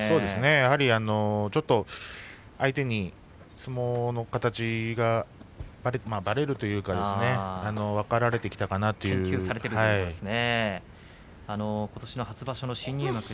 やはりちょっと相手に相撲の形がばれるというかですね分かられてきたかなと、相撲が研究されているんですね。